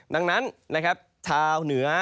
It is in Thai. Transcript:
ดังนั้นนะครับชาวเหนือ